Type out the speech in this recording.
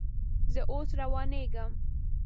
زه اوس روانېږم